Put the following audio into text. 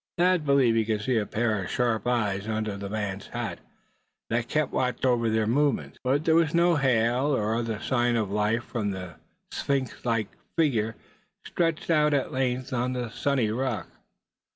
Thad believed he could see a pair of sharp eyes under the man's hat, that kept watch over their movements; but there was no hail, or other sign of life from that sphinx like figure stretched out at length on the sunny rock.